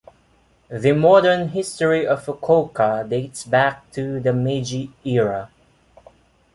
The modern history of Fukuoka dates back to the Meiji era.